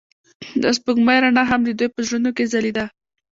د سپوږمۍ رڼا هم د دوی په زړونو کې ځلېده.